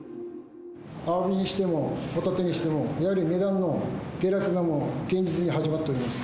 アワビにしても、ホタテにしても、やはり値段の下落がもう現実に始まっております。